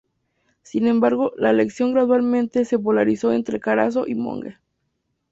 Sin embargo la elección gradualmente se polarizó entre Carazo y Monge.